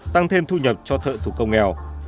tăng thêm thu nhập cho thợ thủ công nghèo